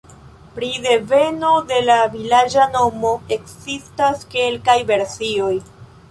Pri deveno de la vilaĝa nomo ekzistas kelkaj versioj.